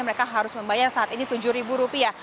mereka harus membayar saat ini tujuh ribu rupiah